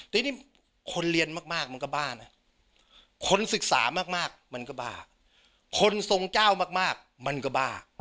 ทีนี้คนเรียนมากมันก็บ้านะคนศึกษามากมันก็บ้าคนทรงเจ้ามากมันก็บ้า